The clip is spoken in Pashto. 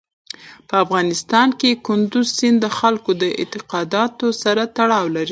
په افغانستان کې کندز سیند د خلکو د اعتقاداتو سره تړاو لري.